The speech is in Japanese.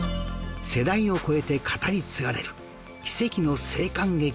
世代を超えて語り継がれる奇跡の生還劇となりました